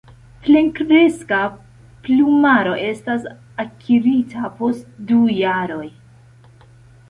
Plenkreska plumaro estas akirita post du jaroj.